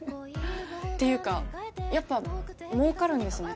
っていうかやっぱもうかるんですね。